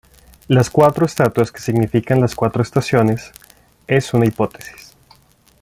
La cuatro estatuas que significan las cuatro estaciones, es una hipótesis.